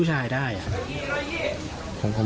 ร้านของรัก